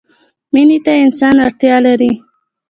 مینې ته انسان اړتیا لري.